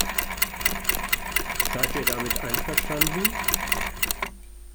Seid ihr damit einverstanden?